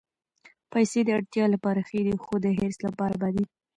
پېسې د اړتیا لپاره ښې دي، خو د حرص لپاره بدې.